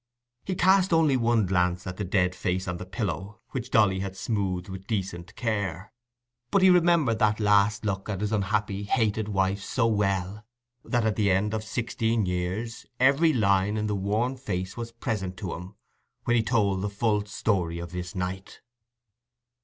He cast only one glance at the dead face on the pillow, which Dolly had smoothed with decent care; but he remembered that last look at his unhappy hated wife so well, that at the end of sixteen years every line in the worn face was present to him when he told the full story of this night.